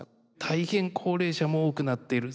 大変高齢者も多くなっている。